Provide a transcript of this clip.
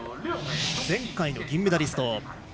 前回の銀メダリスト。